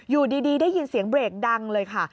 อยู่ดีได้ยินเสียงเบรกดังเลยค่ะ